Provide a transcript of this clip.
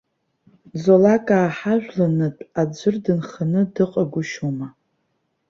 Золакаа ҳажәланытә аӡәыр дынханы дыҟагәышьоума?